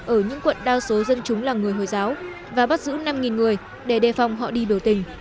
ở những quận đa số dân chúng là người hồi giáo và bắt giữ năm người để đề phòng họ đi biểu tình